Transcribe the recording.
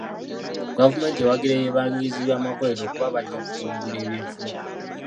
Gavumenti ewagira ebibangirizi by'amakolero kuba bajja kutumbula eby'enfuna.